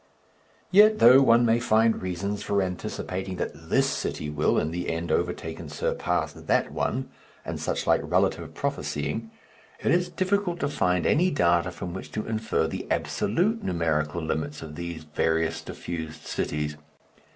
Yet, though one may find reasons for anticipating that this city will in the end overtake and surpass that one and such like relative prophesying, it is difficult to find any data from which to infer the absolute numerical limits of these various diffused cities.